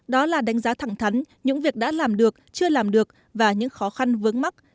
đó là đánh giá thẳng thắn những việc đã làm được chưa làm được và những khó khăn vướng mắt